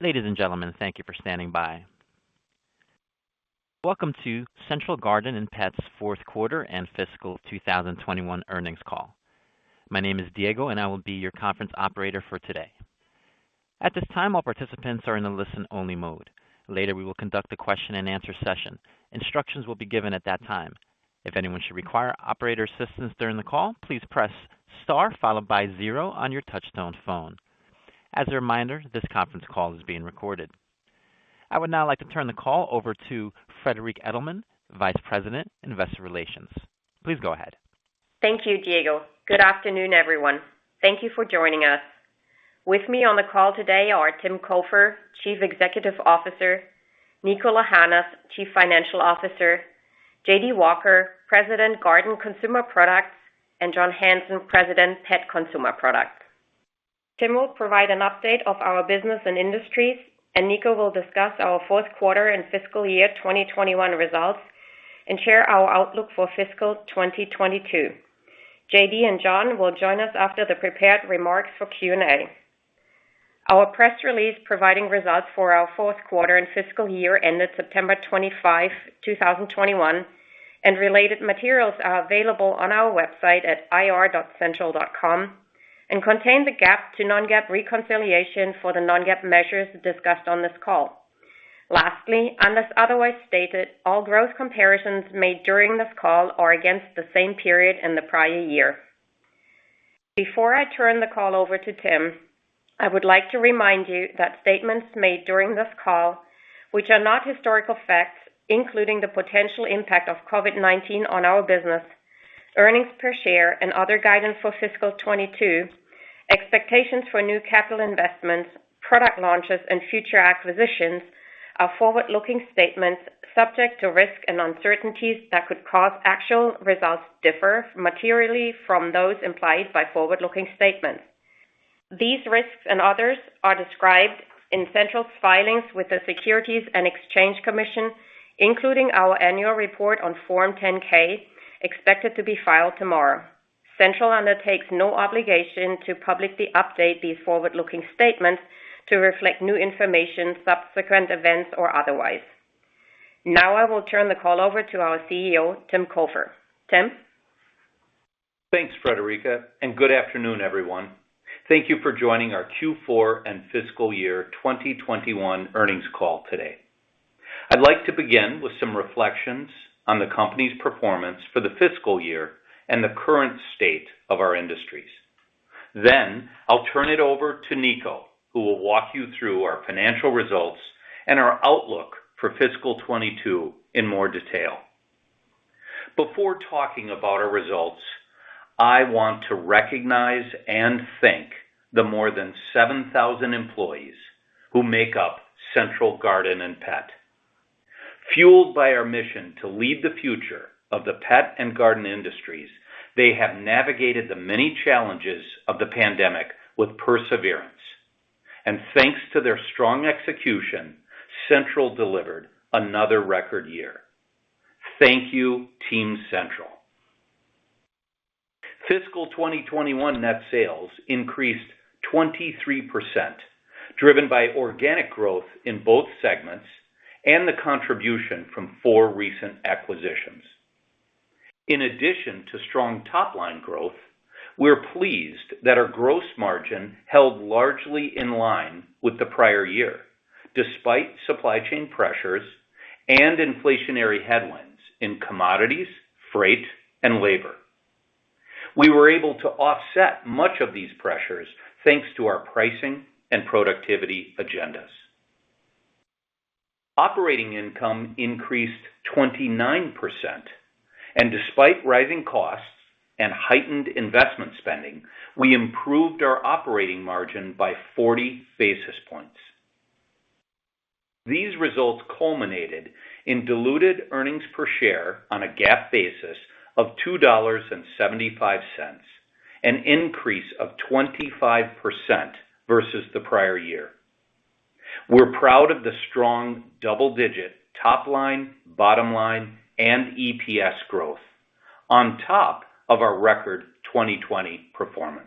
Ladies and gentlemen, thank you for standing by. Welcome to Central Garden & Pet's fourth quarter and fiscal 2021 earnings call. My name is Diego, and I will be your conference operator for today. At this time, all participants are in a listen-only mode. Later, we will conduct a question-and-answer session. Instructions will be given at that time. If anyone should require operator assistance during the call, "please press star followed by zero" on your touchtone phone. As a reminder, this conference call is being recorded. I would now like to turn the call over to Friederike Edelmann, Vice President, Investor Relations. Please go ahead. Thank you, Diego. Good afternoon, everyone. Thank you for joining us. With me on the call today are Tim Cofer, Chief Executive Officer, Niko Lahanas, Chief Financial Officer, J.D. Walker, President, Garden Consumer Products, and John Hanson, President, Pet Consumer Products. Tim will provide an update of our business and industries, and Niko will discuss our fourth quarter and fiscal year 2021 results and share our outlook for fiscal 2022. J.D. and John will join us after the prepared remarks for Q&A. Our press release providing results for our fourth quarter and fiscal year ended September 25, 2021, and related materials are available on our website at ir.central.com and contain the GAAP to non-GAAP reconciliation for the non-GAAP measures discussed on this call. Lastly, unless otherwise stated, all growth comparisons made during this call are against the same period in the prior year. Before I turn the call over to Tim, I would like to remind you that statements made during this call, which are not historical facts, including the potential impact of COVID-19 on our business, earnings per share and other guidance for fiscal 2022, expectations for new capital investments, product launches, and future acquisitions are forward-looking statements subject to risks and uncertainties that could cause actual results to differ materially from those implied by forward-looking statements. These risks and others are described in Central's filings with the Securities and Exchange Commission, including our annual report on Form 10-K, expected to be filed tomorrow. Central undertakes no obligation to publicly update these forward-looking statements to reflect new information, subsequent events, or otherwise. Now, I will turn the call over to our CEO, Tim Cofer. Tim? Thanks, Friederike, and good afternoon, everyone. Thank you for joining our Q4 and fiscal year 2021 earnings call today. I'd like to begin with some reflections on the company's performance for the fiscal year and the current state of our industries. Then I'll turn it over to Niko, who will walk you through our financial results and our outlook for fiscal 2022 in more detail. Before talking about our results, I want to recognize and thank the more than 7,000 employees who make up Central Garden & Pet. Fueled by our mission to lead the future of the pet and garden industries, they have navigated the many challenges of the pandemic with perseverance. Thanks to their strong execution, Central delivered another record year. Thank you, Team Central. Fiscal 2021 net sales increased 23%, driven by organic growth in both segments and the contribution from four recent acquisitions. In addition to strong top-line growth, we're pleased that our gross margin held largely in line with the prior year, despite supply chain pressures and inflationary headwinds in commodities, freight, and labor. We were able to offset much of these pressures, thanks to our pricing and productivity agendas. Operating income increased 29%. Despite rising costs and heightened investment spending, we improved our operating margin by 40 basis points. These results culminated in diluted earnings per share on a GAAP basis of $2.75, an increase of 25% versus the prior year. We're proud of the strong double-digit top line, bottom line, and EPS growth on top of our record 2020 performance.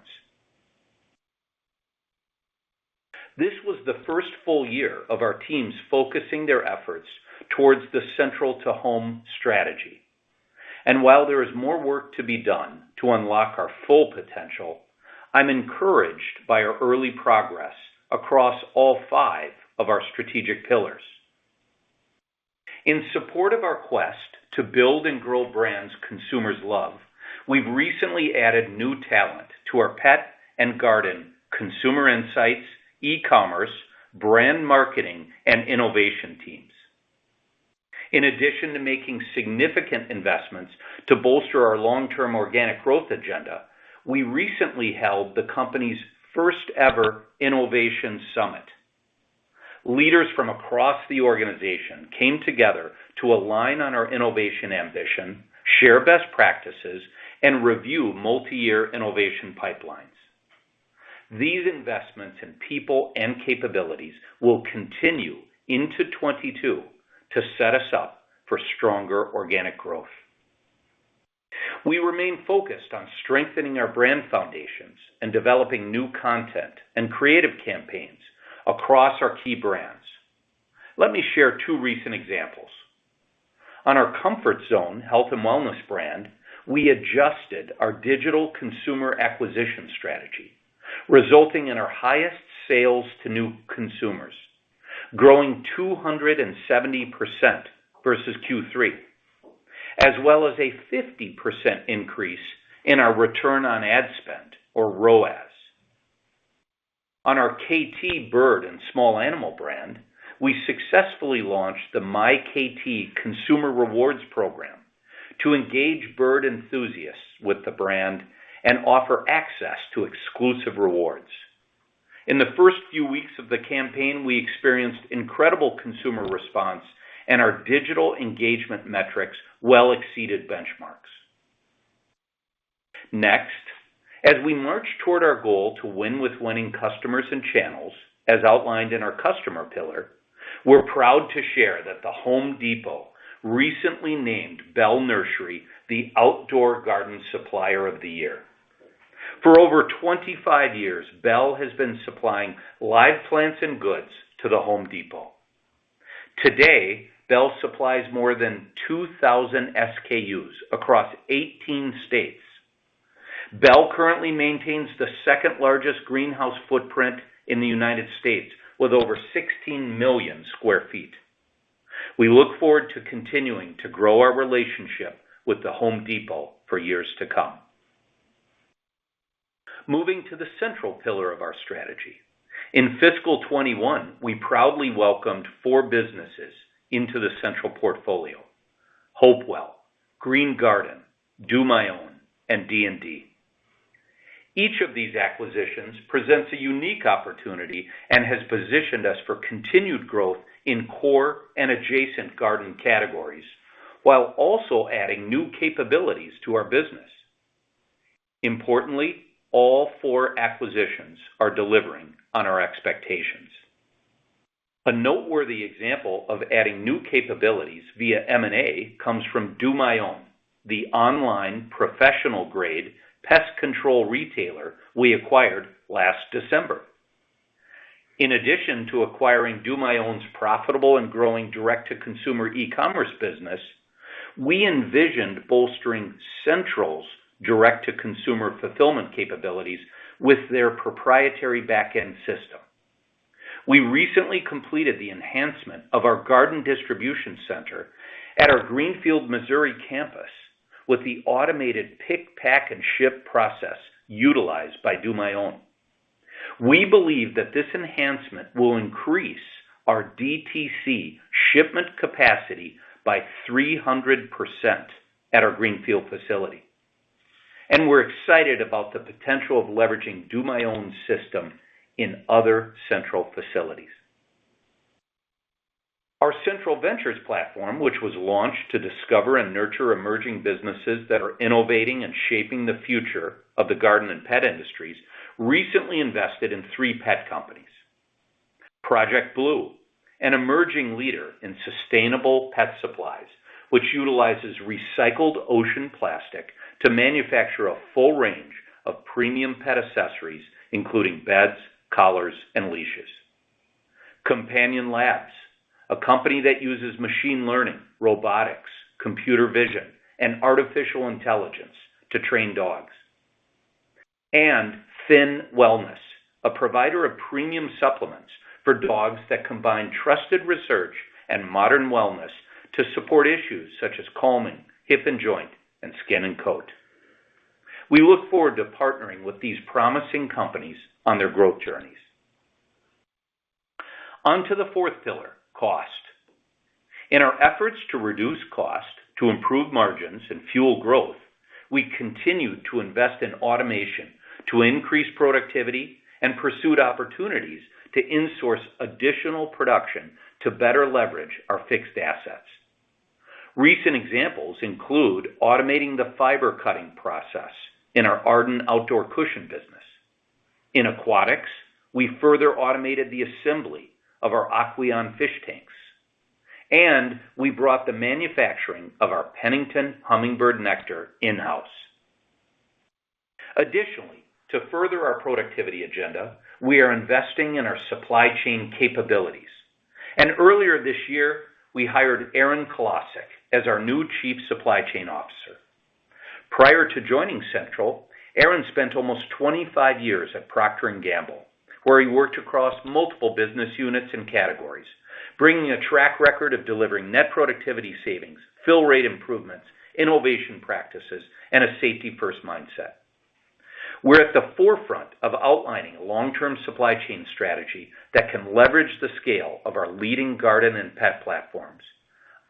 This was the first full year of our teams focusing their efforts towards the Central to Home strategy. While there is more work to be done to unlock our full potential, I'm encouraged by our early progress across all five of our strategic pillars. In support of our quest to build and grow brands consumers love, we've recently added new talent to our pet and garden consumer insights, e-commerce, brand marketing, and innovation teams. In addition to making significant investments to bolster our long-term organic growth agenda, we recently held the company's first ever innovation summit. Leaders from across the organization came together to align on our innovation ambition, share best practices, and review multi-year innovation pipelines. These investments in people and capabilities will continue into 2022 to set us up for stronger organic growth. We remain focused on strengthening our brand foundations and developing new content and creative campaigns across our key brands. Let me share two recent examples. On our Comfort Zone health and wellness brand, we adjusted our digital consumer acquisition strategy, resulting in our highest sales to new consumers, growing 270% versus Q3, as well as a 50% increase in our return on ad spend or ROAS. On our Kaytee Bird and Small Animal brand, we successfully launched the My Kaytee consumer rewards program to engage bird enthusiasts with the brand and offer access to exclusive rewards. In the first few weeks of the campaign, we experienced incredible consumer response and our digital engagement metrics well exceeded benchmarks. Next, as we march toward our goal to win with winning customers and channels as outlined in our customer pillar, we're proud to share that The Home Depot recently named Bell Nursery the outdoor garden supplier of the year. For over 25 years, Bell has been supplying live plants and goods to The Home Depot. Today, Bell supplies more than 2,000 SKUs across 18 states. Bell currently maintains the second-largest greenhouse footprint in the United States with over 16 million sq ft. We look forward to continuing to grow our relationship with The Home Depot for years to come. Moving to the Central pillar of our strategy. In fiscal 2021, we proudly welcomed four businesses into the Central portfolio, Hopewell Nursery, Green Garden Products, DoMyOwn.com, and D&D. Each of these acquisitions presents a unique opportunity and has positioned us for continued growth in core and adjacent garden categories, while also adding new capabilities to our business. Importantly, all four acquisitions are delivering on our expectations. A noteworthy example of adding new capabilities via M&A comes from DoMyOwn, the online professional grade pest control retailer we acquired last December. In addition to acquiring DoMyOwn's profitable and growing direct-to-consumer e-commerce business, we envisioned bolstering Central's direct-to-consumer fulfillment capabilities with their proprietary back-end system. We recently completed the enhancement of our garden distribution center at our Greenfield, Missouri campus with the automated pick, pack, and ship process utilized by DoMyOwn. We believe that this enhancement will increase our DTC shipment capacity by 300% at our Greenfield facility. We're excited about the potential of leveraging DoMyOwn's system in other Central facilities. Our Central Ventures platform, which was launched to discover and nurture emerging businesses that are innovating and shaping the future of the garden and pet industries, recently invested in three pet companies: Project Blu, an emerging leader in sustainable pet supplies, which utilizes recycled ocean plastic to manufacture a full range of premium pet accessories, including beds, collars, and leashes, Companion, a company that uses machine learning, robotics, computer vision, and artificial intelligence to train dogs, and Finn, a provider of premium supplements for dogs that combine trusted research and modern wellness to support issues such as calming, hip and joint, and skin and coat. We look forward to partnering with these promising companies on their growth journeys. On to the fourth pillar, cost. In our efforts to reduce cost to improve margins and fuel growth, we continued to invest in automation to increase productivity and pursued opportunities to insource additional production to better leverage our fixed assets. Recent examples include automating the fiber cutting process in our Arden outdoor cushion business. In aquatics, we further automated the assembly of our Aqueon fish tanks. We brought the manufacturing of our Pennington hummingbird nectar in-house. Additionally, to further our productivity agenda, we are investing in our supply chain capabilities. Earlier this year, we hired Aaron Kolasik as our new Chief Supply Chain Officer. Prior to joining Central, Aaron spent almost 25 years at Procter & Gamble, where he worked across multiple business units and categories, bringing a track record of delivering net productivity savings, fill rate improvements, innovation practices, and a safety first mindset. We're at the forefront of outlining a long-term supply chain strategy that can leverage the scale of our leading garden and pet platforms,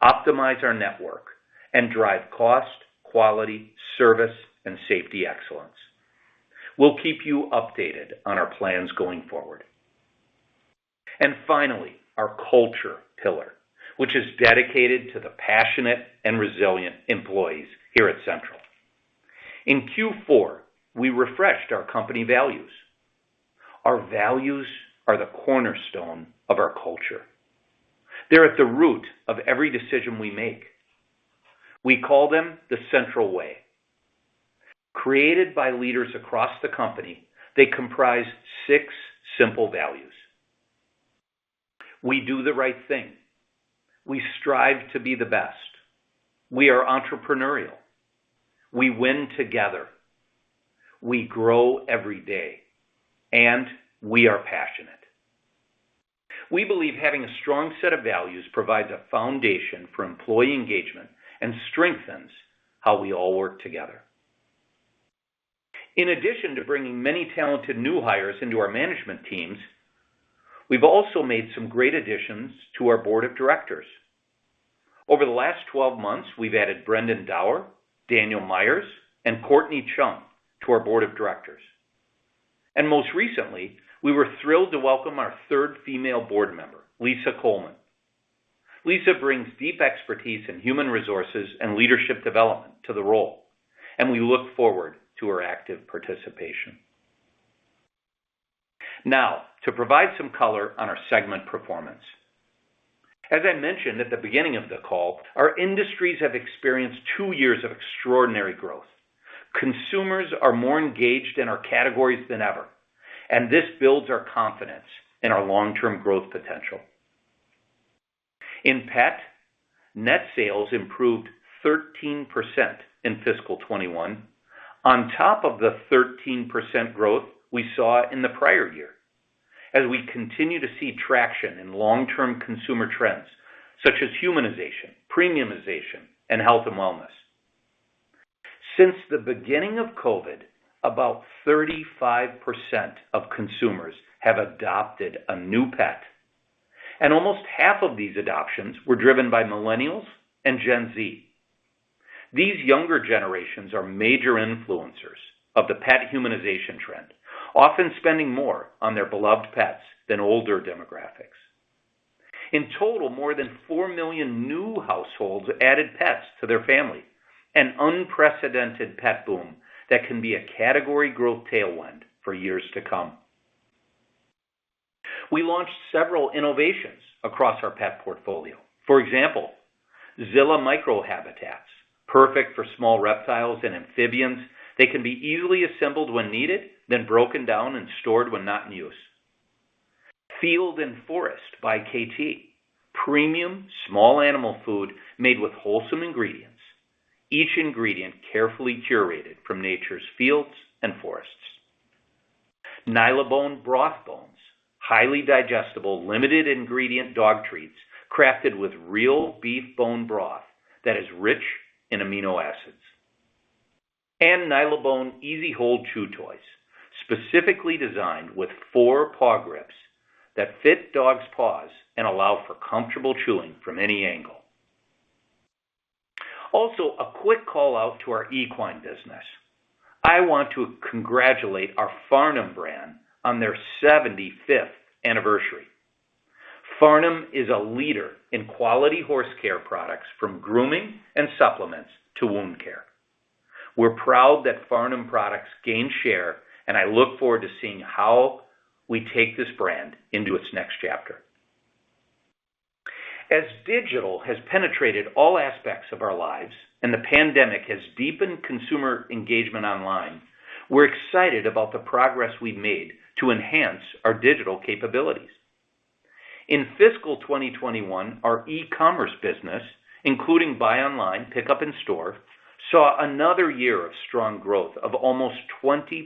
optimize our network, and drive cost, quality, service, and safety excellence. We'll keep you updated on our plans going forward. Finally, our culture pillar, which is dedicated to the passionate and resilient employees here at Central. In Q4, we refreshed our company values. Our values are the cornerstone of our culture. They're at the root of every decision we make. We call them The Central Way. Created by leaders across the company, they comprise six simple values. We do the right thing. We strive to be the best. We are entrepreneurial. We win together. We grow every day, and we are passionate. We believe having a strong set of values provides a foundation for employee engagement and strengthens how we all work together. In addition to bringing many talented new hires into our management teams, we've also made some great additions to our Board of Directors. Over the last 12 months, we've added Brendan Dauer, Daniel Myers, and Courtnee Chun to our Board of Directors. Most recently, we were thrilled to welcome our third female board member, Lisa Coleman. Lisa brings deep expertise in human resources and leadership development to the role, and we look forward to her active participation. Now, to provide some color on our segment performance. As I mentioned at the beginning of the call, our industries have experienced two years of extraordinary growth. Consumers are more engaged in our categories than ever, and this builds our confidence in our long-term growth potential. In Pet, net sales improved 13% in fiscal 2021 on top of the 13% growth we saw in the prior year as we continue to see traction in long-term consumer trends such as humanization, premiumization, and health and wellness. Since the beginning of COVID-19, about 35% of consumers have adopted a new pet, and almost half of these adoptions were driven by Millennials and Gen Z. These younger generations are major influencers of the pet humanization trend, often spending more on their beloved pets than older demographics. In total, more than 4 million new households added pets to their family, an unprecedented pet boom that can be a category growth tailwind for years to come. We launched several innovations across our pet portfolio. For example, Zilla Micro Habitats. Perfect for small reptiles and amphibians, they can be easily assembled when needed, then broken down and stored when not in use. Field+Forest by Kaytee, premium small animal food made with wholesome ingredients, each ingredient carefully curated from nature's fields and forests. Nylabone Broth Bones, highly digestible, limited ingredient dog treats crafted with real beef bone broth that is rich in amino acids. Nylabone Easy Hold Chew Toys, specifically designed with four paw grips that fit dogs' paws and allow for comfortable chewing from any angle. Also, a quick call-out to our equine business. I want to congratulate our Farnam brand on their 75th anniversary. Farnam is a leader in quality horse care products from grooming and supplements to wound care. We're proud that Farnam products gained share, and I look forward to seeing how we take this brand into its next chapter. As digital has penetrated all aspects of our lives and the pandemic has deepened consumer engagement online, we're excited about the progress we've made to enhance our digital capabilities. In fiscal 2021, our e-commerce business, including buy online, pickup in store, saw another year of strong growth of almost 20%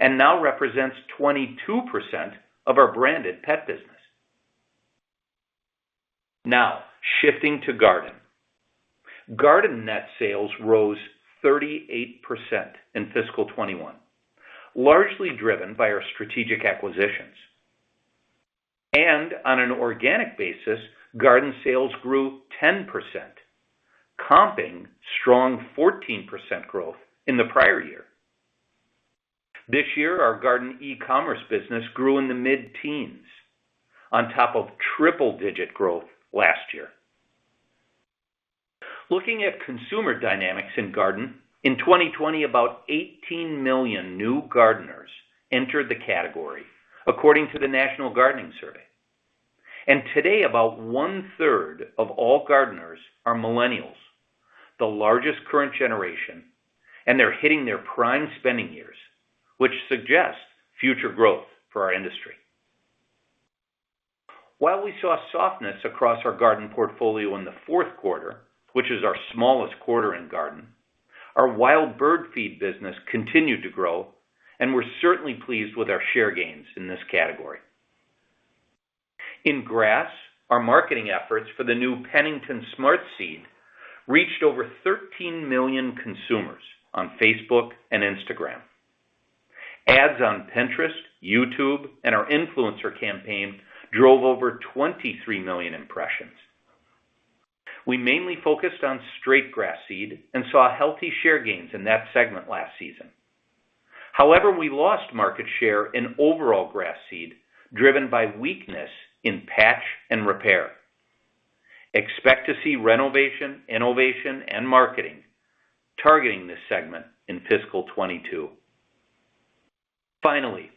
and now represents 22% of our branded pet business. Now, shifting to garden. Garden net sales rose 38% in fiscal 2021, largely driven by our strategic acquisitions. On an organic basis, garden sales grew 10%, comping strong 14% growth in the prior year. This year, our garden e-commerce business grew in the mid-teens on top of triple-digit growth last year. Looking at consumer dynamics in garden, in 2020, about 18 million new gardeners entered the category, according to the National Gardening Survey. Today, about 1/3 of all gardeners are Millennials, the largest current generation, and they're hitting their prime spending years, which suggests future growth for our industry. While we saw softness across our garden portfolio in the fourth quarter, which is our smallest quarter in garden, our wild bird feed business continued to grow, and we're certainly pleased with our share gains in this category. In grass, our marketing efforts for the new Pennington Smart Seed reached over 13 million consumers on Facebook and Instagram. Ads on Pinterest, YouTube, and our influencer campaign drove over 23 million impressions. We mainly focused on straight grass seed and saw healthy share gains in that segment last season. However, we lost market share in overall grass seed, driven by weakness in patch and repair. Expect to see renovation, innovation, and marketing targeting this segment in fiscal 2022. Finally,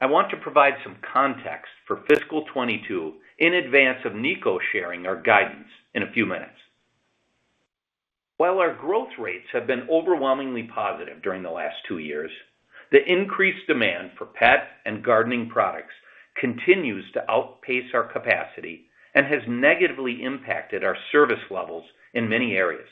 I want to provide some context for fiscal 2022 in advance of Nico sharing our guidance in a few minutes. While our growth rates have been overwhelmingly positive during the last two years, the increased demand for pet and gardening products continues to outpace our capacity and has negatively impacted our service levels in many areas.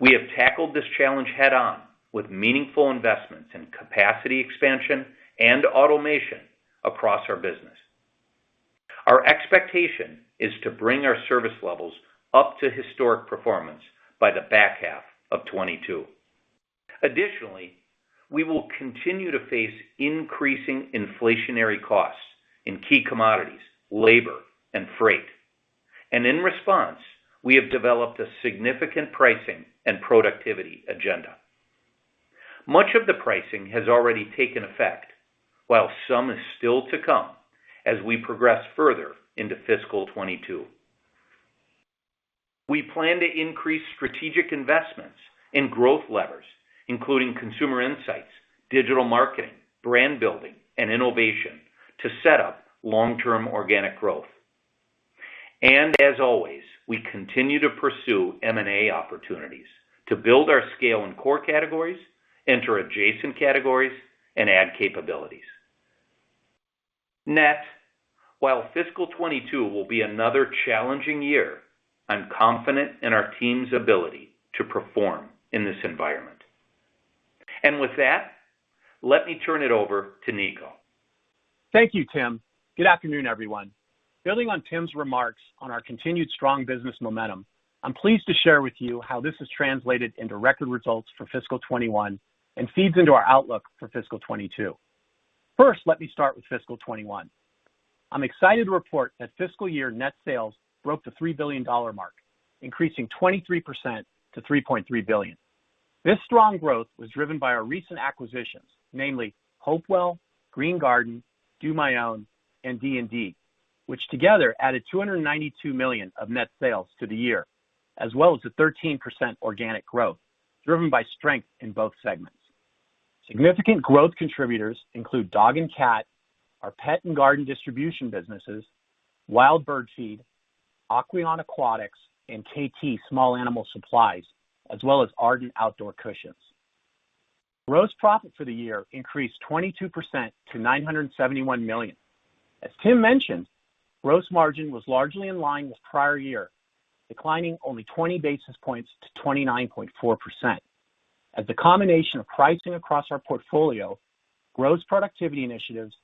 We have tackled this challenge head-on with meaningful investments in capacity expansion and automation across our business. Our expectation is to bring our service levels up to historic performance by the back half of 2022. Additionally, we will continue to face increasing inflationary costs in key commodities, labor, and freight. In response, we have developed a significant pricing and productivity agenda. Much of the pricing has already taken effect, while some is still to come as we progress further into fiscal 2022. We plan to increase strategic investments in growth levers, including consumer insights, digital marketing, brand building, and innovation to set up long-term organic growth. As always, we continue to pursue M&A opportunities to build our scale in core categories, enter adjacent categories, and add capabilities. Net, while fiscal 2022 will be another challenging year, I'm confident in our team's ability to perform in this environment. With that, let me turn it over to Niko. Thank you, Tim. Good afternoon, everyone. Building on Tim's remarks on our continued strong business momentum, I'm pleased to share with you how this has translated into record results for fiscal 2021 and feeds into our outlook for fiscal 2022. First, let me start with fiscal 2021. I'm excited to report that fiscal year net sales broke the $3 billion mark, increasing 23% to $3.3 billion. This strong growth was driven by our recent acquisitions, namely Hopewell, Green Garden, DoMyOwn, and D&D, which together added $292 million of net sales to the year, as well as the 13% organic growth driven by strength in both segments. Significant growth contributors include Dog and Cat, our pet and garden distribution businesses, Wild Bird Feed, Aqueon Aquatics, and Kaytee Small Animal Supplies, as well as Arden Outdoor Cushions. Gross profit for the year increased 22% to $971 million. As Tim mentioned, gross margin was largely in line with prior year, declining only 20 basis points to 29.4%. As a combination of pricing across our portfolio, gross productivity initiatives,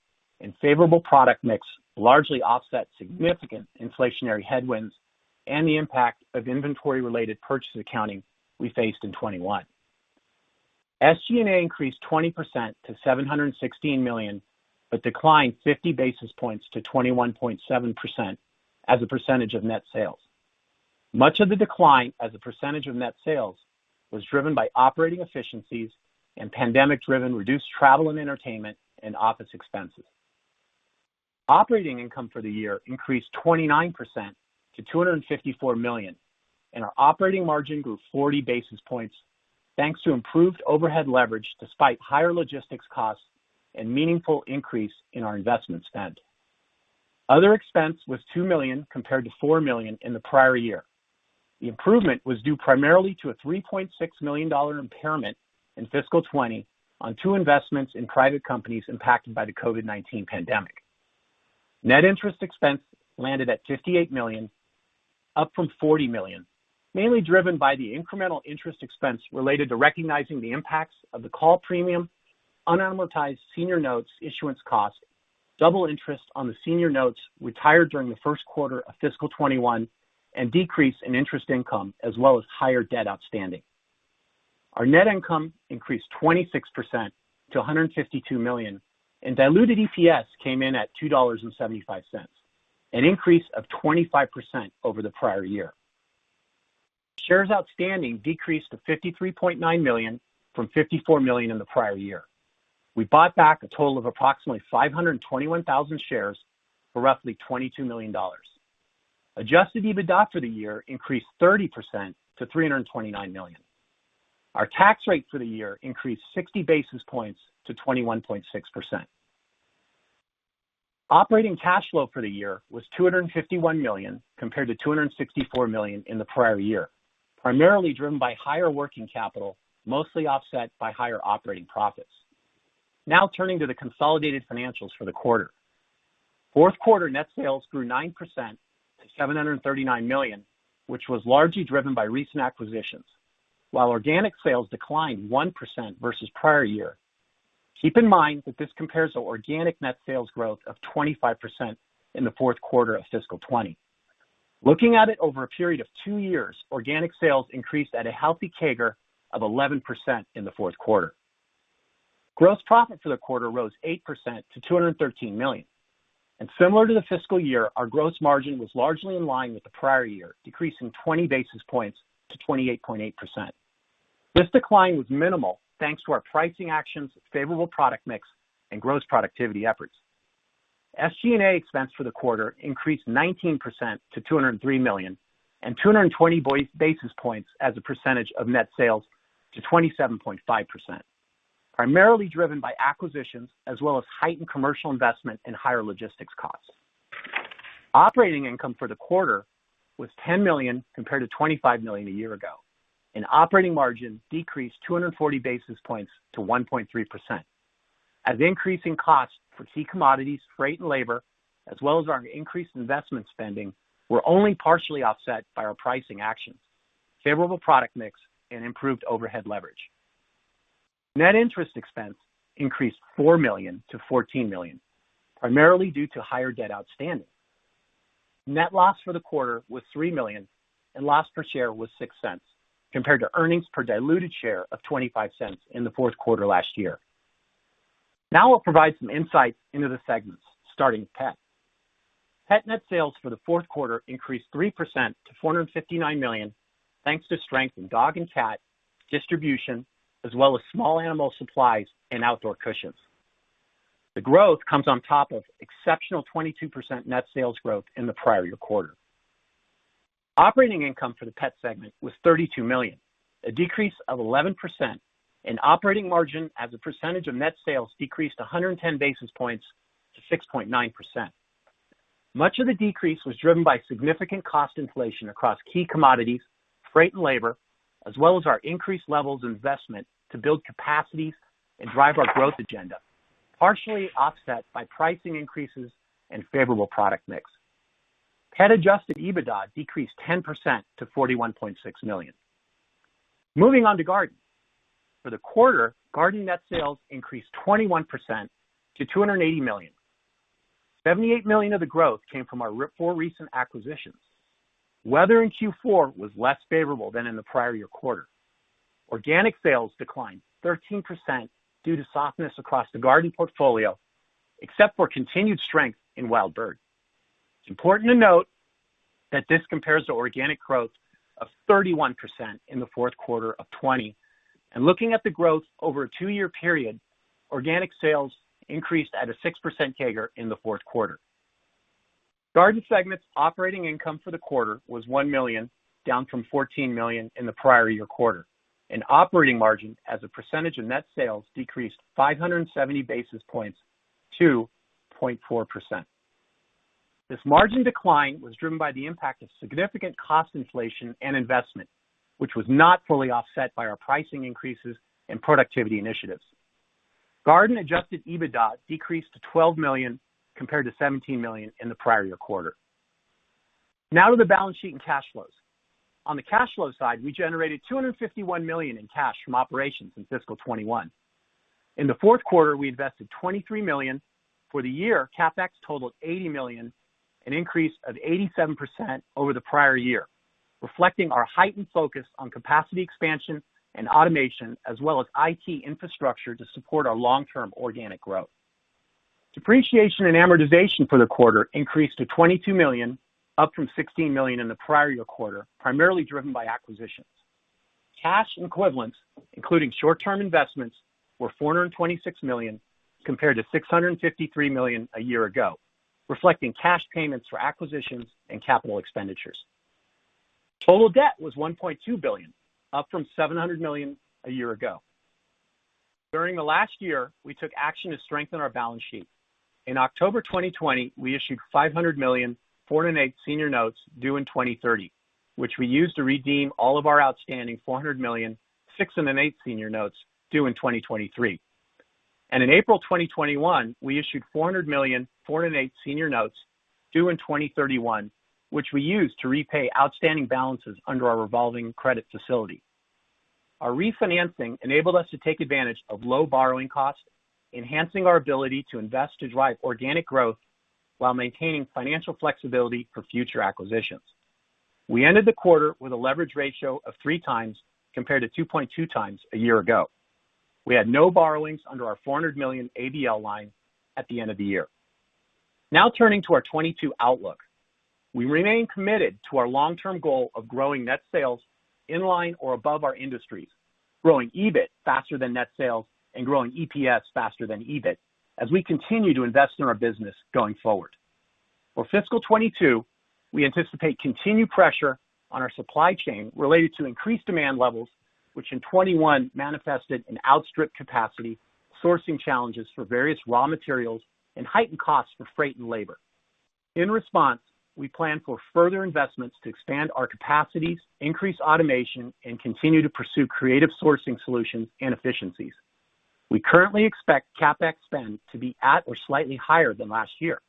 and favorable product mix largely offset significant inflationary headwinds and the impact of inventory-related purchase accounting we faced in 2021. SG&A increased 20% to $716 million, but declined 50 basis points to 21.7% as a percentage of net sales. Much of the decline as a percentage of net sales was driven by operating efficiencies and pandemic-driven reduced travel and entertainment and office expenses. Operating income for the year increased 29% to $254 million, and our operating margin grew 40 basis points thanks to improved overhead leverage despite higher logistics costs and meaningful increase in our investment spend. Other expense was $2 million compared to $4 million in the prior year. The improvement was due primarily to a $3.6 million impairment in fiscal 2022 on two investments in private companies impacted by the COVID-19 pandemic. Net interest expense landed at $58 million, up from $40 million, mainly driven by the incremental interest expense related to recognizing the impacts of the call premium, unamortized senior notes issuance costs, double interest on the senior notes retired during the first quarter of fiscal 2021, and decrease in interest income as well as higher debt outstanding. Our net income increased 26% to $152 million, and diluted EPS came in at $2.75, an increase of 25% over the prior year. Shares outstanding decreased to 53.9 million from 54 million in the prior year. We bought back a total of approximately 521,000 shares for roughly $22 million. Adjusted EBITDA for the year increased 30% to $329 million. Our tax rate for the year increased 60 basis points to 21.6%. Operating cash flow for the year was $251 million compared to $264 million in the prior year, primarily driven by higher working capital, mostly offset by higher operating profits. Now turning to the consolidated financials for the quarter. Fourth quarter net sales grew 9% to $739 million, which was largely driven by recent acquisitions. While organic sales declined 1% versus prior year, keep in mind that this compares to organic net sales growth of 25% in the fourth quarter of fiscal 2020. Looking at it over a period of two years, organic sales increased at a healthy CAGR of 11% in the fourth quarter. Gross profit for the quarter rose 8% to $213 million. Similar to the fiscal year, our gross margin was largely in line with the prior year, decreasing 20 basis points to 28.8%. This decline was minimal thanks to our pricing actions, favorable product mix, and gross productivity efforts. SG&A expense for the quarter increased 19% to $203 million and 220 basis points as a percentage of net sales to 27.5%, primarily driven by acquisitions as well as heightened commercial investment and higher logistics costs. Operating income for the quarter was $10 million compared to $25 million a year ago, and operating margin decreased 240 basis points to 1.3%, as increasing costs for key commodities, freight and labor, as well as our increased investment spending were only partially offset by our pricing actions, favorable product mix and improved overhead leverage. Net interest expense increased $4 million to $14 million, primarily due to higher debt outstanding. Net loss for the quarter was $3 million, and loss per share was $0.06 compared to earnings per diluted share of $0.25 in the fourth quarter last year. Now we'll provide some insight into the segments, starting Pet. Pet net sales for the fourth quarter increased 3% to $459 million, thanks to strength in dog and cat distribution as well as small animal supplies and outdoor cushions. The growth comes on top of exceptional 22% net sales growth in the prior year quarter. Operating income for the Pet segment was $32 million, a decrease of 11%, and operating margin as a percentage of net sales decreased 110 basis points to 6.9%. Much of the decrease was driven by significant cost inflation across key commodities, freight and labor, as well as our increased levels of investment to build capacities and drive our growth agenda, partially offset by pricing increases and favorable product mix. Pet adjusted EBITDA decreased 10% to $41.6 million. Moving on to Garden. For the quarter, Garden net sales increased 21% to $280 million. $78 million of the growth came from our four recent acquisitions. Weather in Q4 was less favorable than in the prior year quarter. Organic sales declined 13% due to softness across the Garden portfolio, except for continued strength in wild bird. It's important to note that this compares to organic growth of 31% in the fourth quarter of 2020. Looking at the growth over a two-year period, organic sales increased at a 6% CAGR in the fourth quarter. Garden segment's operating income for the quarter was $1 million, down from $14 million in the prior year quarter, and operating margin as a percentage of net sales decreased 570 basis points to 0.4%. This margin decline was driven by the impact of significant cost inflation and investment, which was not fully offset by our pricing increases and productivity initiatives. Garden adjusted EBITDA decreased to $12 million compared to $17 million in the prior year quarter. Now to the balance sheet and cash flows. On the cash flow side, we generated $251 million in cash from operations in fiscal 2021. In the fourth quarter, we invested $23 million. For the year, CapEx totaled $80 million, an increase of 87% over the prior year, reflecting our heightened focus on capacity expansion and automation as well as IT infrastructure to support our long-term organic growth. Depreciation and amortization for the quarter increased to $22 million, up from $16 million in the prior year quarter, primarily driven by acquisitions. Cash equivalents, including short-term investments, were $426 million compared to $653 million a year ago, reflecting cash payments for acquisitions and capital expenditures. Total debt was $1.2 billion, up from $700 million a year ago. During the last year, we took action to strengthen our balance sheet. In October 2020, we issued $500 million 4 1/8 senior notes due in 2030, which we used to redeem all of our outstanding $400 million 6 1/8 senior notes due in 2023. In April 2021, we issued $400 million 4 1/8 senior notes due in 2031, which we used to repay outstanding balances under our revolving credit facility. Our refinancing enabled us to take advantage of low borrowing costs, enhancing our ability to invest to drive organic growth while maintaining financial flexibility for future acquisitions. We ended the quarter with a leverage ratio of 3x compared to 2.2x a year ago. We had no borrowings under our $400 million ABL line at the end of the year. Now turning to our 2022 outlook. We remain committed to our long-term goal of growing net sales in line or above our industries, growing EBIT faster than net sales, and growing EPS faster than EBIT as we continue to invest in our business going forward. For fiscal 2022, we anticipate continued pressure on our supply chain related to increased demand levels, which in 2021 manifested in outstripped capacity, sourcing challenges for various raw materials, and heightened costs for freight and labor. In response, we plan for further investments to expand our capacities, increase automation, and continue to pursue creative sourcing solutions and efficiencies. We currently expect CapEx spend to be at or slightly higher than last year.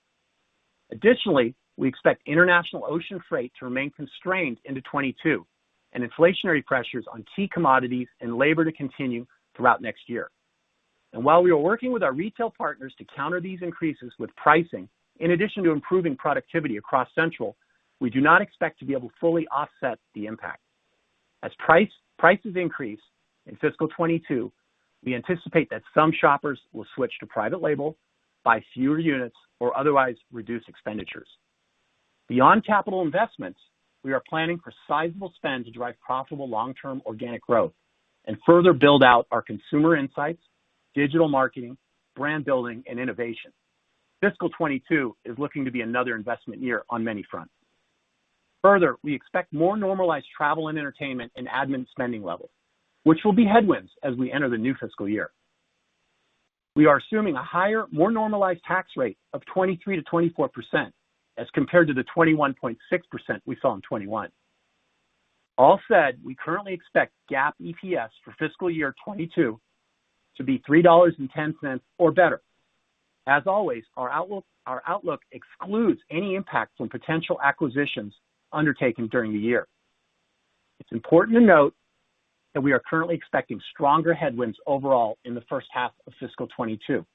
Additionally, we expect international ocean freight to remain constrained into 2022 and inflationary pressures on key commodities and labor to continue throughout next year. While we are working with our retail partners to counter these increases with pricing, in addition to improving productivity across Central, we do not expect to be able to fully offset the impact. As prices increase in fiscal 2022, we anticipate that some shoppers will switch to private label, buy fewer units or otherwise reduce expenditures. Beyond capital investments, we are planning for sizable spend to drive profitable long-term organic growth and further build out our consumer insights, digital marketing, brand building, and innovation. Fiscal 2022 is looking to be another investment year on many fronts. Further, we expect more normalized travel and entertainment and admin spending levels, which will be headwinds as we enter the new fiscal year. We are assuming a higher, more normalized tax rate of 23%-24% as compared to the 21.6% we saw in 2021. All said, we currently expect GAAP EPS for fiscal year 2022 to be $3.10 or better. As always, our outlook excludes any impact from potential acquisitions undertaken during the year. It's important to note that we are currently expecting stronger headwinds overall in the first half of fiscal 2022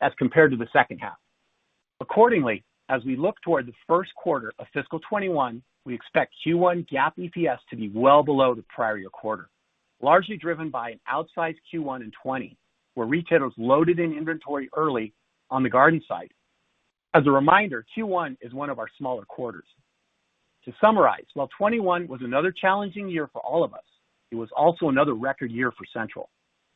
as compared to the second half. Accordingly, as we look toward the first quarter of fiscal 2021, we expect Q1 GAAP EPS to be well below the prior year quarter, largely driven by an outsized Q1 in 2020, where retailers loaded in inventory early on the garden side. As a reminder, Q1 is one of our smaller quarters. To summarize, while 2021 was another challenging year for all of us, it was also another record year for Central.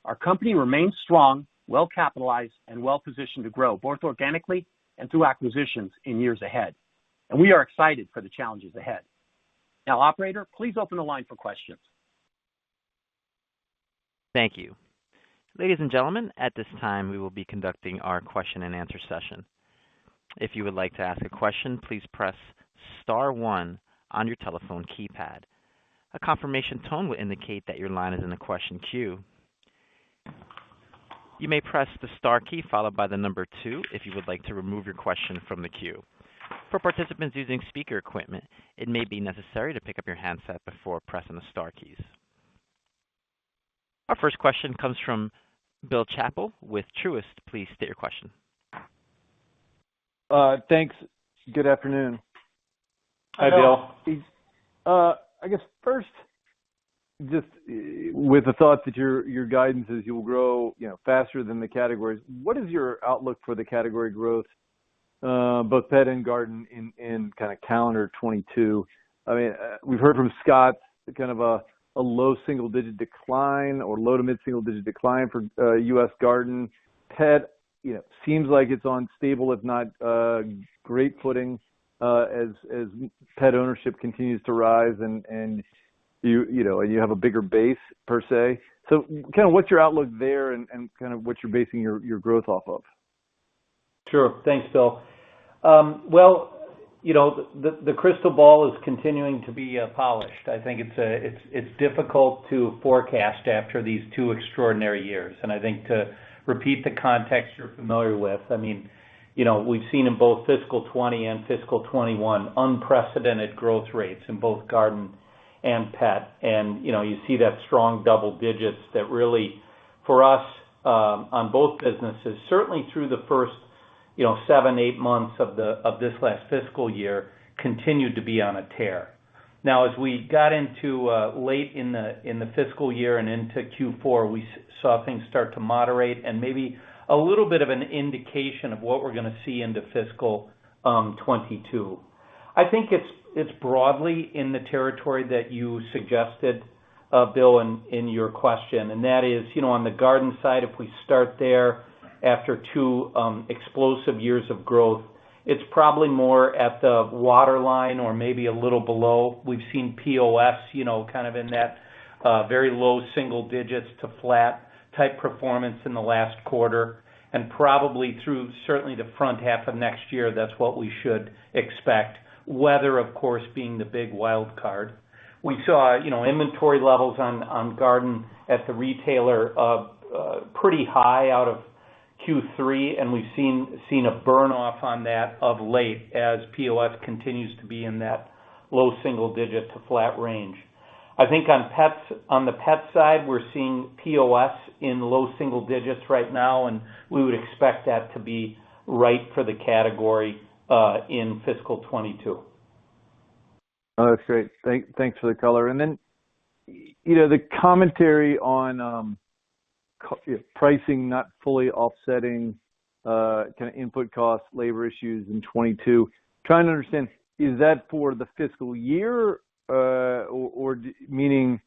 Our company remains strong, well-capitalized, and well-positioned to grow, both organically and through acquisitions in years ahead. We are excited for the challenges ahead. Now, operator, please open the line for questions. Thank you. Ladies and gentlemen, at this time, we will be conducting our question-and-answer session. If you would like to ask a question, "please press star one" on your telephone keypad. A confirmation tone will indicate that your line is in the question queue. You may "press the star key followed by the number two" if you would like to remove your question from the queue. For participants using speaker equipment, it may be necessary to pick up your handset before pressing the star keys. Our first question comes from Bill Chappell with Truist. Please state your question. Thanks. Good afternoon. Hi, Bill. I guess first, just with the thought that your guidance is you'll grow, you know, faster than the categories, what is your outlook for the category growth, both pet and garden in calendar 2022? I mean, we've heard from Scotts kind of a low single-digit decline or low- to mid-single-digit decline for U.S. Garden. Pet, you know, seems like it's on stable, if not great footing, as pet ownership continues to rise and you know and you have a bigger base per se. So kinda what's your outlook there and kind of what you're basing your growth off of? Sure. Thanks, Bill. Well, you know, the crystal ball is continuing to be polished. I think it's difficult to forecast after these two extraordinary years. I think to repeat the context you're familiar with, I mean, you know, we've seen in both fiscal 2020 and fiscal 2021 unprecedented growth rates in both garden and pet. You know, you see that strong double digits that really for us on both businesses, certainly through the first, you know, seven, eight months of this last fiscal year, continued to be on a tear. Now, as we got into late in the fiscal year and into Q4, we saw things start to moderate and maybe a little bit of an indication of what we're gonna see into fiscal 2022. I think it's broadly in the territory that you suggested, Bill, in your question, and that is, you know, on the garden side, if we start there after two explosive years of growth, it's probably more at the waterline or maybe a little below. We've seen POS, you know, kind of in that very low single digits to flat type performance in the last quarter and probably through certainly the front half of next year, that's what we should expect. Weather, of course, being the big wildcard. We saw, you know, inventory levels on garden at the retailer of pretty high out of Q3, and we've seen a burn-off on that of late as POS continues to be in that low single digit to flat range. I think on pets, on the pet side, we're seeing POS in low single digits right now, and we would expect that to be right for the category in fiscal 2022. Thanks for the color. Then, you know, the commentary on pricing not fully offsetting kinda input costs, labor issues in 2022. Trying to understand, is that for the fiscal year, or meaning,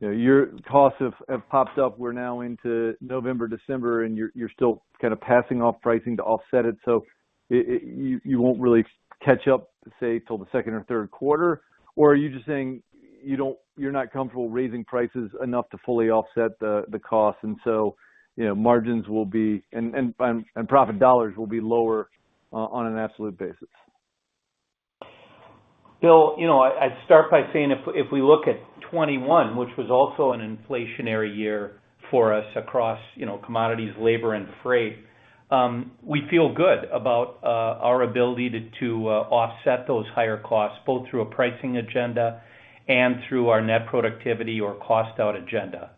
you know, your costs have popped up, we're now into November, December, and you're still passing on pricing to offset it, so you won't really catch up, say, till the second or third quarter? Or are you just saying you're not comfortable raising prices enough to fully offset the cost, and so, you know, margins will be and profit dollars will be lower on an absolute basis? Bill, you know, I'd start by saying if we look at 2021, which was also an inflationary year for us across, you know, commodities, labor, and freight, we feel good about our ability to offset those higher costs, both through a pricing agenda and through our net productivity or cost-out agenda.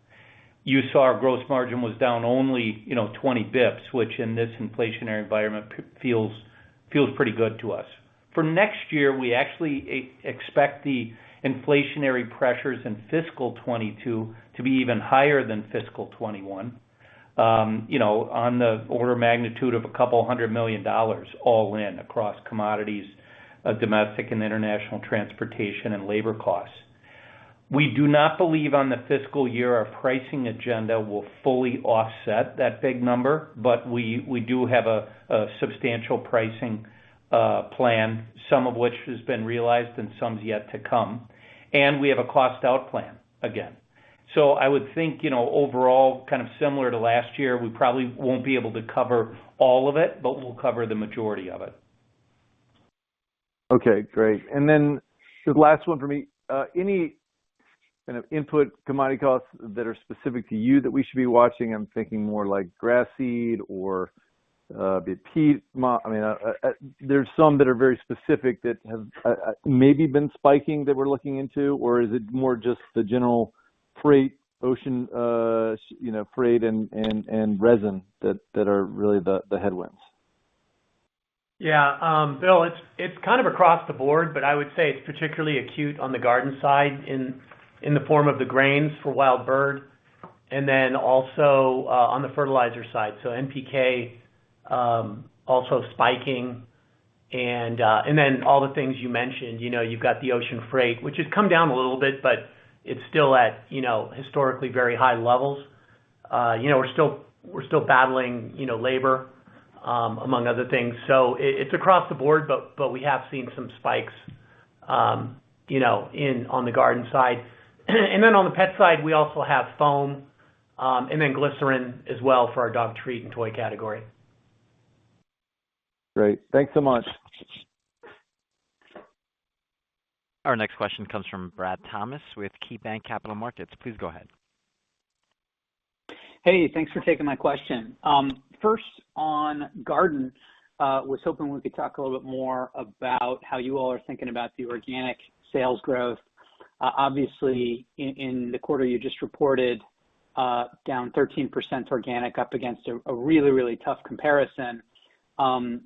You saw our gross margin was down only, you know, 20 basis points, which in this inflationary environment feels pretty good to us. For next year, we actually expect the inflationary pressures in fiscal 2022 to be even higher than fiscal 2021. You know, on the order of magnitude of $200 million all in across commodities, domestic and international transportation and labor costs. We do not believe on the fiscal year our pricing agenda will fully offset that big number, but we do have a substantial pricing plan, some of which has been realized and some is yet to come. We have a cost out plan again. I would think, you know, overall, kind of similar to last year, we probably won't be able to cover all of it, but we'll cover the majority of it. Okay, great. Then the last one for me. Any kind of input commodity costs that are specific to you that we should be watching? I'm thinking more like grass seed or be it peat. I mean, there's some that are very specific that have maybe been spiking that we're looking into. Or is it more just the general freight, ocean freight and resin that are really the headwinds? Bill, it's kind of across the board, but I would say it's particularly acute on the garden side in the form of the grains for wild bird and then also on the fertilizer side. NPK also spiking and then all the things you mentioned, you know. You've got the ocean freight, which has come down a little bit, but it's still at, you know, historically very high levels. You know, we're still battling, you know, labor among other things. It's across the board, but we have seen some spikes, you know, in on the garden side. On the pet side, we also have foam and then glycerin as well for our dog treat and toy category. Great. Thanks so much. Our next question comes from Brad Thomas with KeyBanc Capital Markets. Please go ahead. Hey, thanks for taking my question. First on garden, was hoping we could talk a little bit more about how you all are thinking about the organic sales growth. Obviously in the quarter you just reported, down 13% organic up against a really tough comparison.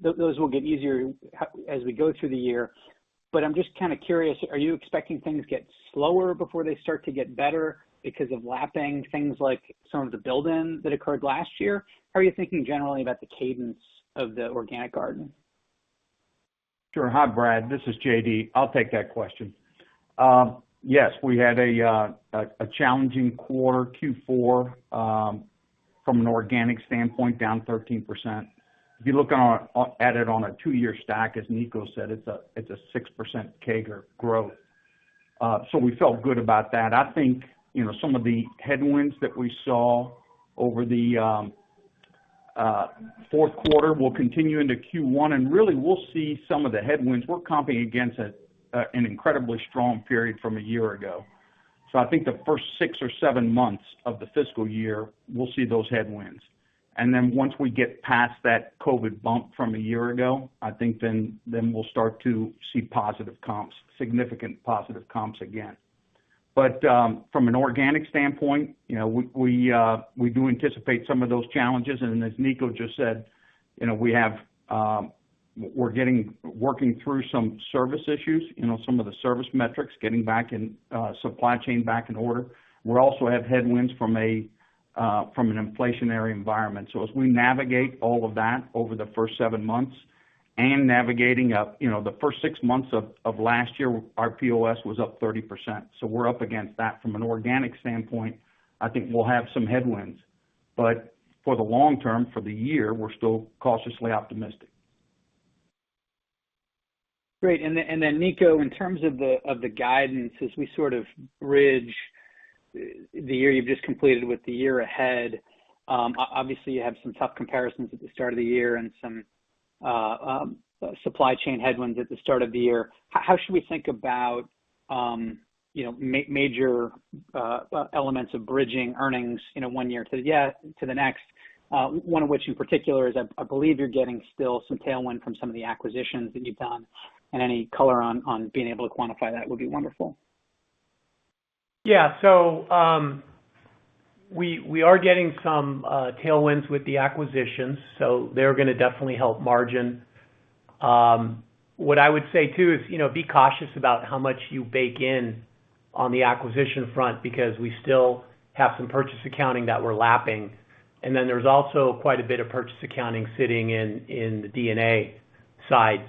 Those will get easier as we go through the year, but I'm just kinda curious, are you expecting things to get slower before they start to get better because of lapping things like some of the build in that occurred last year? How are you thinking generally about the cadence of the organic garden? Sure. Hi, Brad. This is J.D. I'll take that question. Yes, we had a challenging quarter Q4 from an organic standpoint, down 13%. If you're looking at it on a two-year stack, as Niko said, it's a 6% CAGR growth. We felt good about that. I think, you know, some of the headwinds that we saw over the fourth quarter will continue into Q1, and really we'll see some of the headwinds. We're comping against an incredibly strong period from a year ago. I think the first six or seven months of the fiscal year, we'll see those headwinds. Then once we get past that COVID bump from a year ago, I think then we'll start to see positive comps, significant positive comps again. From an organic standpoint, you know, we do anticipate some of those challenges. As Niko just said, you know, we have, we're working through some service issues, you know, some of the service metrics, getting supply chain back in order. We also have headwinds from an inflationary environment. As we navigate all of that over the first seven months and navigating up, you know, the first six months of last year, our POS was up 30%. We're up against that. From an organic standpoint, I think we'll have some headwinds, but for the long term, for the year, we're still cautiously optimistic. Great. Then, Niko, in terms of the guidance as we sort of bridge the year you've just completed with the year ahead, obviously you have some tough comparisons at the start of the year and some supply chain headwinds at the start of the year. How should we think about, you know, major elements of bridging earnings, you know, one year to the next? One of which in particular is, I believe, you're getting still some tailwind from some of the acquisitions that you've done and any color on being able to quantify that would be wonderful. We are getting some tailwinds with the acquisitions, so they're gonna definitely help margin. What I would say too is, you know, be cautious about how much you bake in on the acquisition front because we still have some purchase accounting that we're lapping. Then there's also quite a bit of purchase accounting sitting in the D&A side.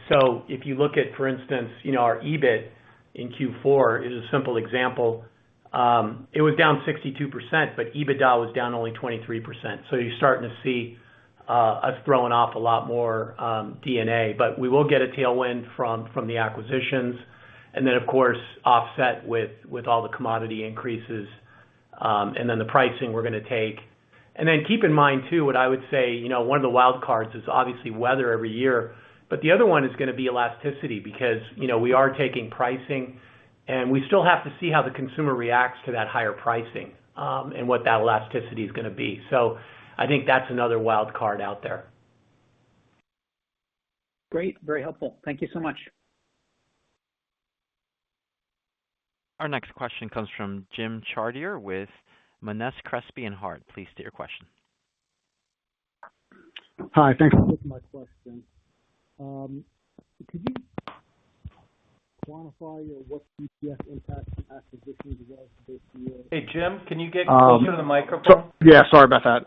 If you look at, for instance, you know, our EBIT in Q4 is a simple example. It was down 62%, but EBITDA was down only 23%. You're starting to see us throwing off a lot more D&A. We will get a tailwind from the acquisitions and then of course offset with all the commodity increases, and then the pricing we're gonna take. Keep in mind too, what I would say, you know, one of the wild cards is obviously weather every year, but the other one is gonna be elasticity because, you know, we are taking pricing, and we still have to see how the consumer reacts to that higher pricing, and what that elasticity is gonna be. I think that's another wild card out there. Great. Very helpful. Thank you so much. Our next question comes from Jim Chartier with Monness, Crespi, Hardt & Co. Please state your question. Hi. Thanks for taking my question. Could you quantify what EPS impact acquisitions as well as this year? Hey, Jim, can you get closer to the microphone? Yeah, sorry about that.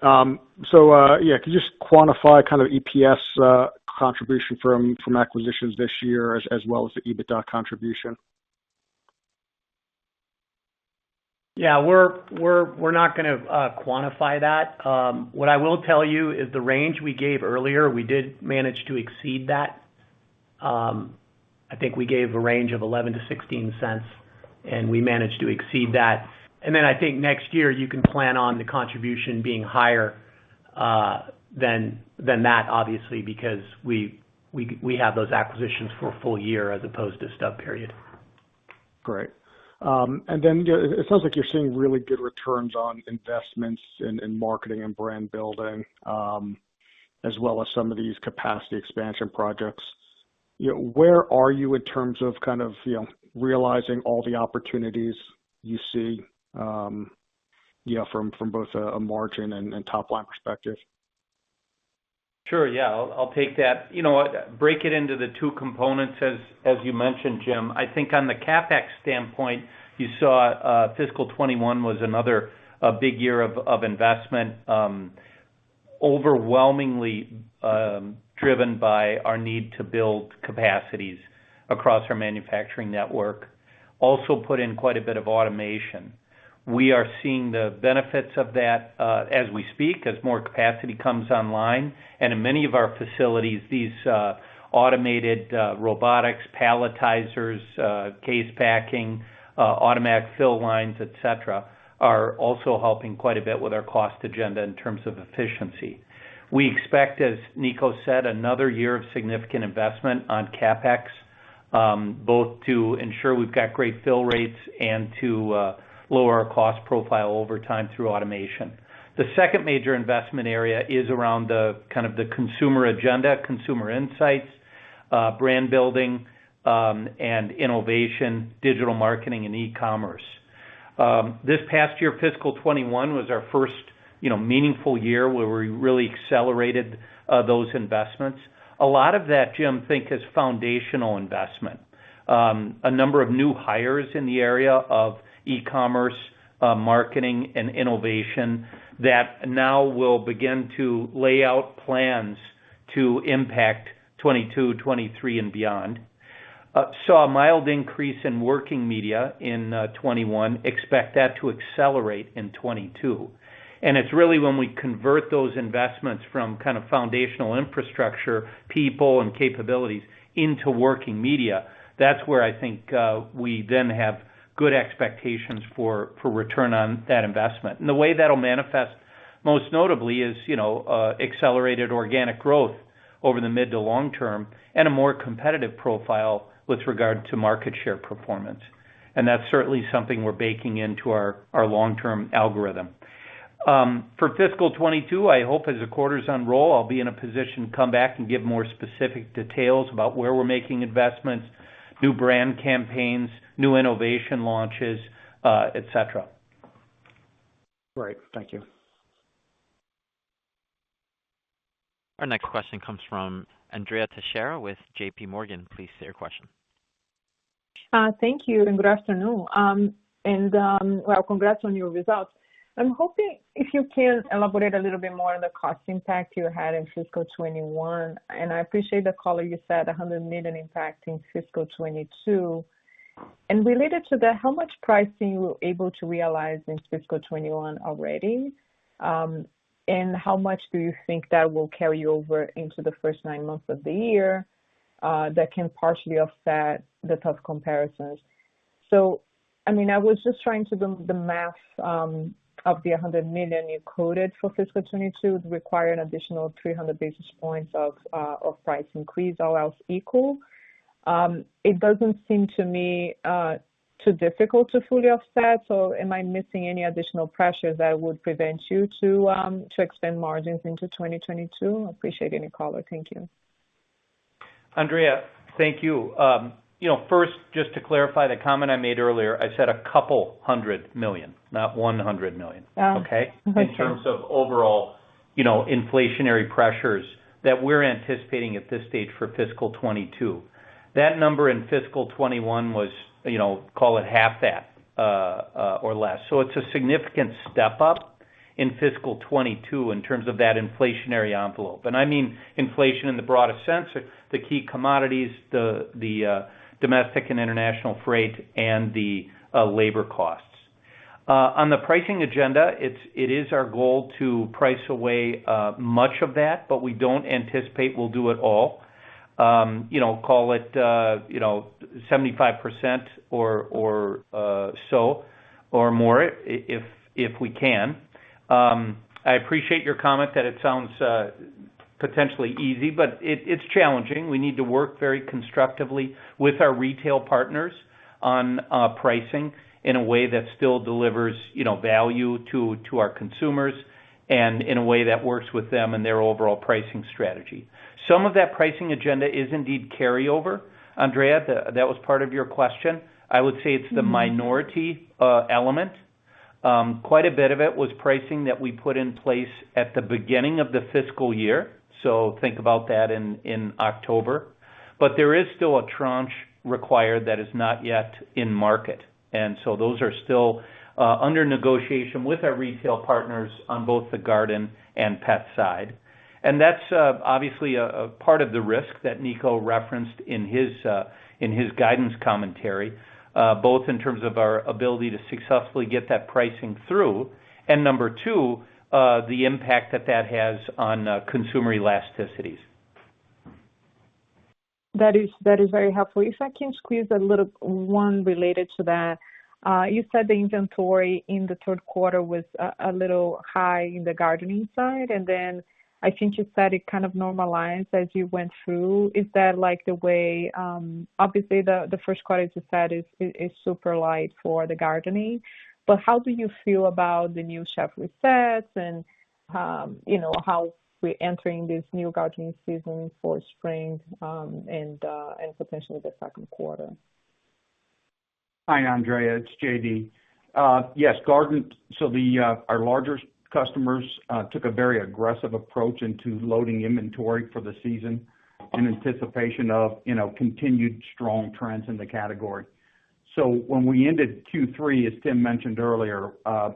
Yeah, could you just quantify kind of EPS contribution from acquisitions this year as well as the EBITDA contribution? We're not gonna quantify that. What I will tell you is the range we gave earlier, we did manage to exceed that. I think we gave a range of $0.11-$0.16, and we managed to exceed that. Then I think next year you can plan on the contribution being higher than that, obviously, because we have those acquisitions for a full year as opposed to stub period. Great. It sounds like you're seeing really good returns on investments in marketing and brand building, as well as some of these capacity expansion projects. You know, where are you in terms of kind of, you know, realizing all the opportunities you see, you know, from both a margin and top-line perspective? Sure. Yeah. I'll take that. You know, break it into the two components as you mentioned, Jim. I think on the CapEx standpoint, you saw fiscal 2021 was another big year of investment overwhelmingly driven by our need to build capacities across our manufacturing network. We also put in quite a bit of automation. We are seeing the benefits of that as we speak, as more capacity comes online. In many of our facilities, these automated robotics palletizers, case packing, automatic fill lines, et cetera, are also helping quite a bit with our cost agenda in terms of efficiency. We expect, as Nico said, another year of significant investment on CapEx both to ensure we've got great fill rates and to lower our cost profile over time through automation. The second major investment area is around the kind of the consumer agenda, consumer insights, brand building, and innovation, digital marketing and e-commerce. This past year, fiscal 2021 was our first, you know, meaningful year where we really accelerated those investments. A lot of that, Jim, think as foundational investment. A number of new hires in the area of e-commerce, marketing and innovation that now will begin to lay out plans to impact 2022, 2023 and beyond. Saw a mild increase in working media in 2021. Expect that to accelerate in 2022. It's really when we convert those investments from kind of foundational infrastructure, people and capabilities into working media, that's where I think we then have good expectations for return on that investment. The way that'll manifest most notably is, you know, accelerated organic growth over the mid to long term and a more competitive profile with regard to market share performance. That's certainly something we're baking into our long-term algorithm. For fiscal 2022, I hope as the quarters unroll, I'll be in a position to come back and give more specific details about where we're making investments, new brand campaigns, new innovation launches, et cetera. Great. Thank you. Our next question comes from Andrea Teixeira with J.P. Morgan. Please state your question. Thank you and good afternoon. Well, congrats on your results. I'm hoping if you can elaborate a little bit more on the cost impact you had in fiscal 2021. I appreciate the color you said $100 million impact in fiscal 2022. Related to that, how much pricing you were able to realize in fiscal 2021 already? And how much do you think that will carry over into the first nine months of the year that can partially offset the tough comparisons? I mean, I was just trying to do the math of the $100 million you quoted for fiscal 2022 require an additional 300 basis points of price increase all else equal. It doesn't seem to me too difficult to fully offset. Am I missing any additional pressures that would prevent you to extend margins into 2022? Appreciate any color. Thank you. Andrea, thank you. First, just to clarify the comment I made earlier. I said $200 million, not $100 million. Oh, okay. In terms of overall, you know, inflationary pressures that we're anticipating at this stage for fiscal 2022. That number in fiscal 2021 was, you know, call it half that, or less. It's a significant step up in fiscal 2022 in terms of that inflationary envelope. I mean inflation in the broadest sense, the key commodities, the domestic and international freight and the labor costs. On the pricing agenda, it's, it is our goal to price away, much of that, but we don't anticipate we'll do it all. You know, call it, you know, 75% or, so or more if we can. I appreciate your comment that it sounds, potentially easy, but it's challenging. We need to work very constructively with our retail partners on pricing in a way that still delivers, you know, value to our consumers and in a way that works with them and their overall pricing strategy. Some of that pricing agenda is indeed carryover. Andrea, that was part of your question. I would say it's the minority element. Quite a bit of it was pricing that we put in place at the beginning of the fiscal year, so think about that in October. There is still a tranche required that is not yet in market. Those are still under negotiation with our retail partners on both the garden and pet side. That's obviously a part of the risk that Nico referenced in his guidance commentary, both in terms of our ability to successfully get that pricing through, and number two, the impact that that has on consumer elasticities. That is very helpful. If I can squeeze a little one related to that. You said the inventory in the third quarter was a little high in the gardening side, and then I think you said it kind of normalized as you went through. Is that like the way. Obviously the first quarter, as you said, is super light for the gardening. How do you feel about the new shelf resets and how we entering this new gardening season for spring and potentially the second quarter? Hi, Andrea. It's J.D. Yes, garden. Our larger customers took a very aggressive approach into loading inventory for the season in anticipation of, you know, continued strong trends in the category. When we ended Q3, as Tim mentioned earlier,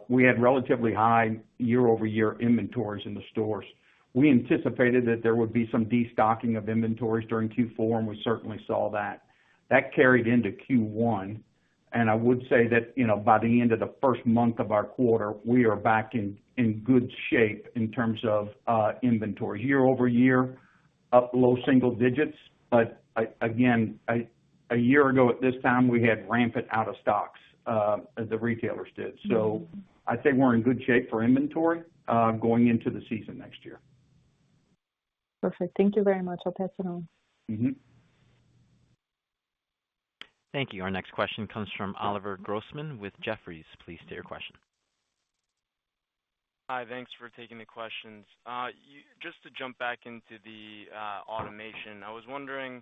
we had relatively high year-over-year inventories in the stores. We anticipated that there would be some destocking of inventories during Q4, and we certainly saw that. That carried into Q1, and I would say that, you know, by the end of the first month of our quarter, we are back in good shape in terms of inventory year-over-year, up low single digits. Again, a year ago at this time, we had rampant out-of-stocks, the retailers did. I'd say we're in good shape for inventory going into the season next year. Perfect. Thank you very much. I'll pass it on. Thank you. Our next question comes from Oliver Grossman with Jefferies. Please state your question. Hi. Thanks for taking the questions. Just to jump back into the automation, I was wondering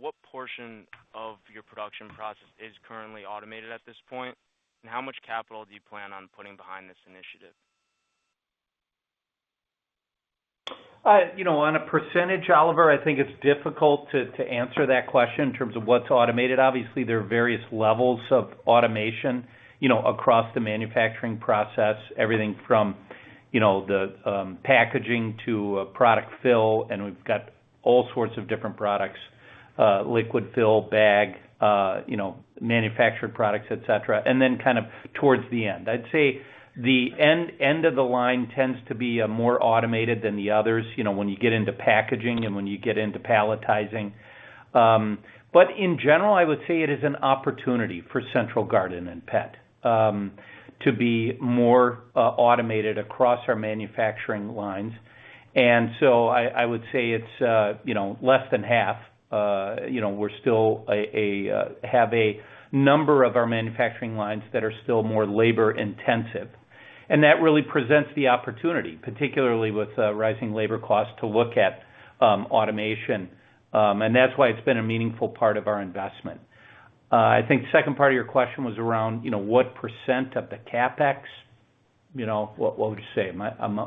what portion of your production process is currently automated at this point, and how much capital do you plan on putting behind this initiative? You know, on a percentage, Oliver, I think it's difficult to answer that question in terms of what's automated. Obviously, there are various levels of automation, you know, across the manufacturing process, everything from, you know, the packaging to product fill, and we've got all sorts of different products, liquid fill, bag, you know, manufactured products, et cetera, and then kind of towards the end, I'd say the end of the line tends to be more automated than the others, you know, when you get into packaging and when you get into palletizing. But in general, I would say it is an opportunity for Central Garden & Pet to be more automated across our manufacturing lines. I would say it's, you know, less than half. You know, we have a number of our manufacturing lines that are still more labor intensive. That really presents the opportunity, particularly with rising labor costs to look at automation. That's why it's been a meaningful part of our investment. I think second part of your question was around, you know, what percent of the CapEx, you know. What would you say? I'm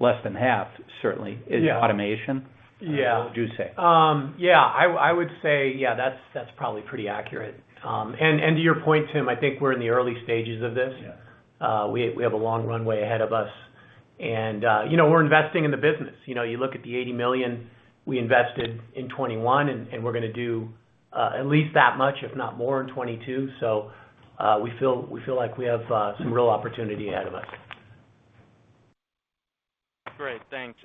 less than half certainly. Yeah. Is automation. Yeah. What would you say? Yeah, I would say, yeah, that's probably pretty accurate. To your point, Tim, I think we're in the early stages of this. Yes. We have a long runway ahead of us and you know, we're investing in the business. You know, you look at the $80 million we invested in 2021 and we're gonna do at least that much, if not more, in 2022. We feel like we have some real opportunity ahead of us. Great. Thanks.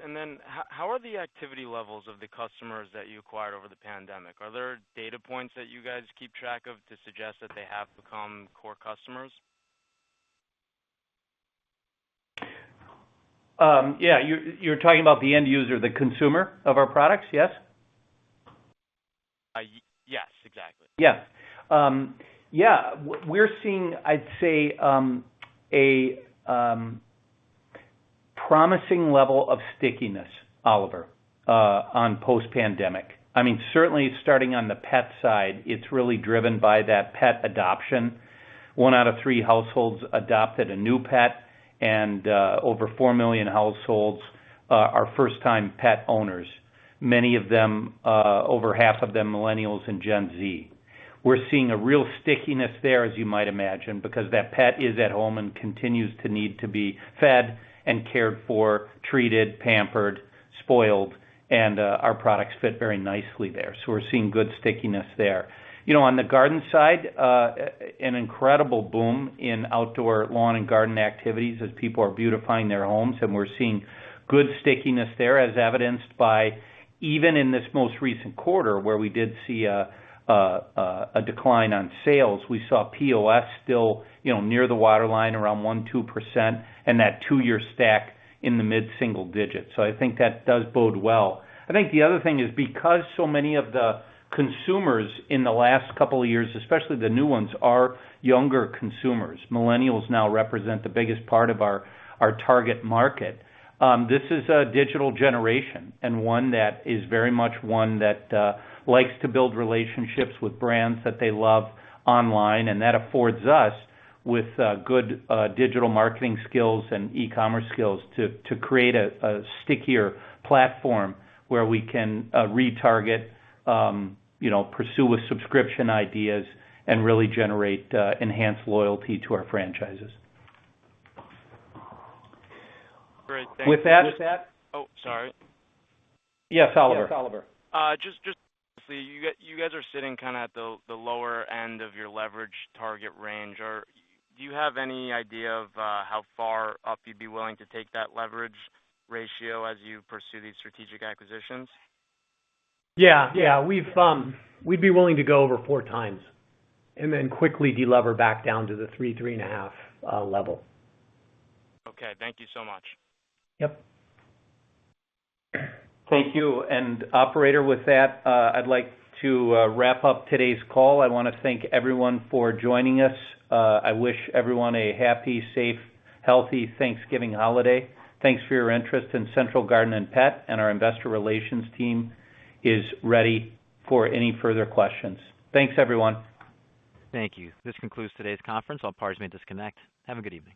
How are the activity levels of the customers that you acquired over the pandemic? Are there data points that you guys keep track of to suggest that they have become core customers? You're talking about the end user, the consumer of our products, yes? Yes, exactly. Yes. Yeah. We're seeing, I'd say, a promising level of stickiness, Oliver, on post-pandemic. I mean, certainly starting on the pet side, it's really driven by that pet adoption. One out of three households adopted a new pet and over 4 million households are first-time pet owners, many of them, over half of them Millennials and Gen Z. We're seeing a real stickiness there, as you might imagine, because that pet is at home and continues to need to be fed and cared for, treated, pampered, spoiled, and our products fit very nicely there. We're seeing good stickiness there. You know, on the garden side, an incredible boom in outdoor lawn and garden activities as people are beautifying their homes, and we're seeing good stickiness there, as evidenced by even in this most recent quarter, where we did see a decline in sales. We saw POS still near the waterline around 1%-2%, and that two-year stack in the mid-single digits. I think that does bode well. I think the other thing is because so many of the consumers in the last couple of years, especially the new ones, are younger consumers, Millennials now represent the biggest part of our target market. This is a digital generation and one that is very much that likes to build relationships with brands that they love online, and that affords us with good digital marketing skills and e-commerce skills to create a stickier platform where we can retarget, you know, pursue with subscription ideas and really generate enhanced loyalty to our franchises. Great. Thank you. With that. Oh, sorry. Yes, Oliver. Just so you guys are sitting kinda at the lower end of your leverage target range. Or do you have any idea of how far up you'd be willing to take that leverage ratio as you pursue these strategic acquisitions? We'd be willing to go over 4x and then quickly de-lever back down to the 3-3.5 level. Okay. Thank you so much. Yep. Thank you. Operator, with that, I'd like to wrap up today's call. I wanna thank everyone for joining us. I wish everyone a happy, safe, healthy Thanksgiving holiday. Thanks for your interest in Central Garden & Pet, and our investor relations team is ready for any further questions. Thanks, everyone. Thank you. This concludes today's conference. All parties may disconnect. Have a good evening.